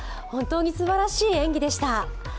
本当にすばらしい演技でした。